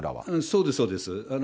そうです、そうです。